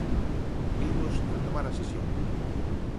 Imos retomar a sesión.